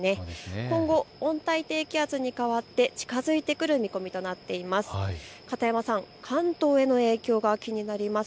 今後、温帯低気圧に変わって近づいてくる見込みとなっています。